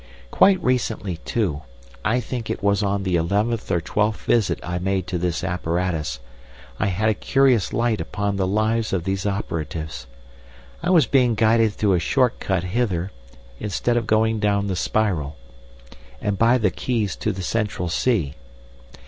"Quite recently, too—I think it was on the eleventh or twelfth visit I made to this apparatus—I had a curious light upon the lives of these operatives. I was being guided through a short cut hither, instead of going down the spiral, and by the quays to the Central Sea.